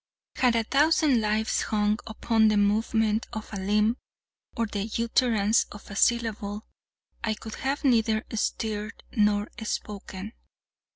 Had a thousand lives hung upon the movement of a limb or the utterance of a syllable, I could have neither stirred nor spoken.